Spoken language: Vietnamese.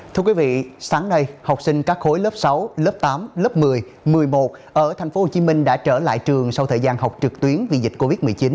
thưa quý vị sáng nay học sinh các khối lớp sáu lớp tám lớp một mươi một mươi một ở tp hcm đã trở lại trường sau thời gian học trực tuyến vì dịch covid một mươi chín